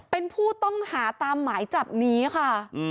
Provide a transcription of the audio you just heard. เป็นผู้ต้องหาตามหมายจับนี้ค่ะ